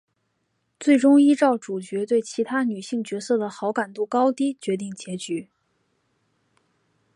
最终依照主角对其他女性角色的好感度高低决定结局。